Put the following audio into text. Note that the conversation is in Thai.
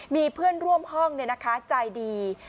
มีเพื่อนร่วมห้องในนะคะใจดี